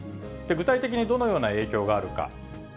具体的にどのような影響があるか。